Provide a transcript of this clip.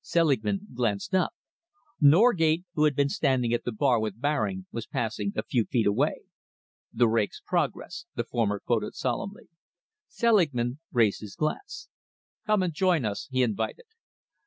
Selingman glanced up. Norgate, who had been standing at the bar with Baring, was passing a few feet away. "The rake's progress," the former quoted solemnly. Selingman raised his glass. "Come and join us," he invited.